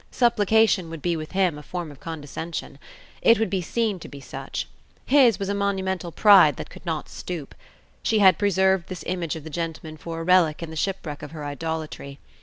Supplication would be with him a form of condescension. It would be seen to be such. His was a monumental pride that could not stoop. She had preserved this image of the gentleman for a relic in the shipwreck of her idolatry.